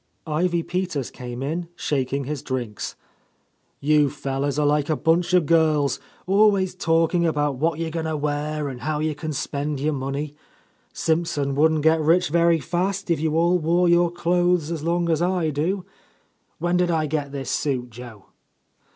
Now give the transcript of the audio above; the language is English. Ivy Peters came in, shaking his drinks. "You fellows are like a bunch of girls, — always talking about what you are going to wear and how you can spend your money. Simpson wouldn't get rich very fast if you all wore your clothes as long as I do. When did I get this suit, Joe